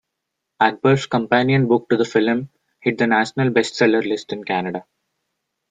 Achbar's companion book to the film hit the national best-seller list in Canada.